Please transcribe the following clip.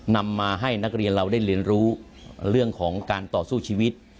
นำมาให้นักเรียนเราได้เรียนรู้เรื่องของการต่อสู้ชีวิต